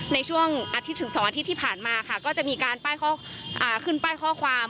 ในช่วงอาทิตย์ถึง๒อาทิตย์ที่ผ่านมาค่ะก็จะมีการขึ้นป้ายข้อความ